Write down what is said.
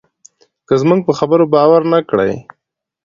که زموږ په خبره باور نه کړې.